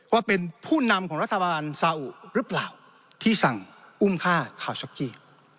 ว่าเป็นผู้นำของรัฐบาลซาอุหรือเปล่าที่สั่งอุ้มฆ่าคาวซ็อกจี้